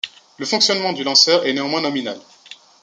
Le fonctionnement du lanceur est néanmoins nominal.